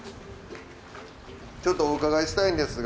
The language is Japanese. ちょっとお伺いしたいんですが。